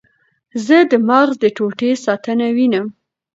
زه د مغز د ټوټې ساتنه وینم.